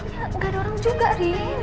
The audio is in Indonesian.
ya gak ada orang juga arim